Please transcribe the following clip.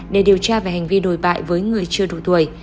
để điều tra về hành vi đồi bại với người chưa đủ tuổi